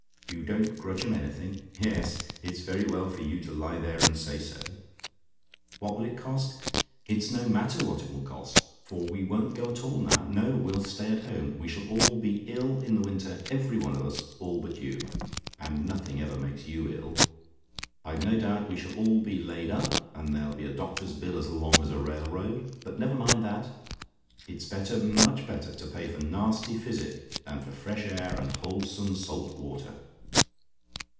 "YOU DON'T GRUDGE 'EM ANYTHING? "Yes, it's very well for you to lie there and say so. "WHAT WILL IT COST? "It's no matter what it will cost, for we won't go at all now. No; we'll stay at home. We shall all be ill in the winter every one of us, all but you; and nothing ever makes you ill. I've no doubt we shall all be laid up, and there'll be a doctor's bill as long as a railroad; but never mind that. It's better much better to pay for nasty physic than for fresh air and wholesome salt water.